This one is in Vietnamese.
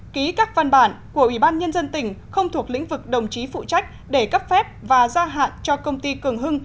ký các văn bản của ủy ban nhân dân tỉnh không thuộc lĩnh vực đồng chí phụ trách để cấp phép và gia hạn cho công ty cường hưng